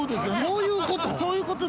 そういうこと？